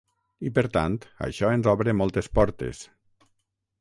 I, per tant, això ens obre moltes portes.